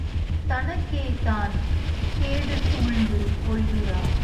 தனக்கே தான் கேடு சூழ்ந்து கொள்கிறான்.